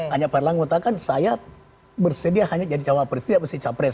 hanya pak erlangga maksudnya kan saya bersedia hanya jadi capres tidak harus capres